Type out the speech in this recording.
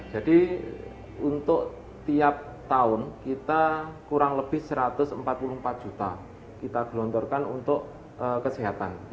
jadi untuk tiap tahun kita kurang lebih rp satu ratus empat puluh empat juta kita gelontorkan untuk kesehatan